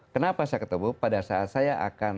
kenapa saya ketemu pada saat saya akan